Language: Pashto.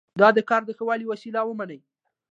دا د کار د ښه والي وسیله ومني.